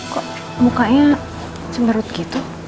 kok mukanya cemerut gitu